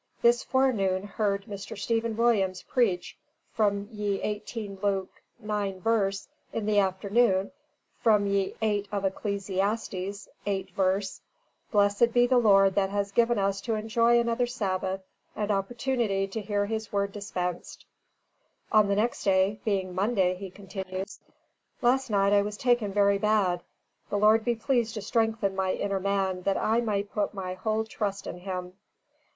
This forenoon heard Mr. Stephen Williams preach from ye 18 Luke 9 verse in the afternoon from ye 8 of Ecles: 8 verse: Blessed be the Lord that has given us to enjoy another Sabath and opertunity to hear his Word Dispensed." On the next day, "being Monday," he continues, "Last night I was taken very Bad: the Lord be pleased to strengthen my inner man that I may put my whole Trust in him.